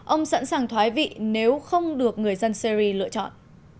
ông sẵn sàng thoái vị nếu không được người dân syri lựa chọn